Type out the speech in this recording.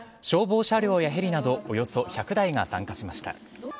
消防車両やヘリなどおよそ１００台が参加しました。